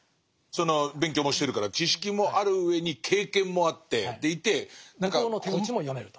その勉強もしてるから知識もあるうえに経験もあってでいて何か。